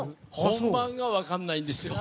本番が分からないんですよ。